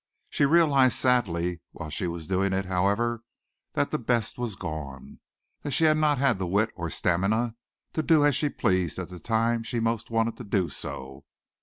She realized sadly while she was doing it, however, that the best was gone that she had not had the wit or the stamina to do as she pleased at the time she most wanted to do so.